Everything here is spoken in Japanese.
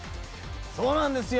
そうなんですよ。